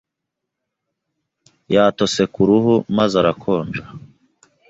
yatose ku ruhu maze arakonja.